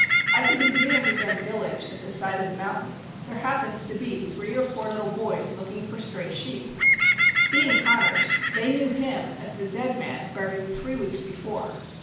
As he was nearing his own village at the side of the mountain there happened to be three or four little boys looking for stray sheep. Seeing Connors, they knew him as the dead man buried three weeks before.